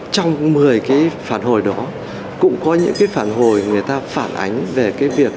trong một mươi phản hồi đó cũng có những phản hồi người ta phản ánh về việc